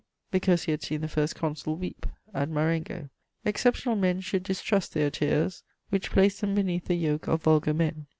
Because he had seen the First Consul weep at Marengo. Exceptional men should distrust their tears, which place them beneath the yoke of vulgar men.